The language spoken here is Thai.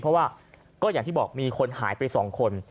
เพราะว่าก็อย่างที่บอกมีคนหายไป๒คน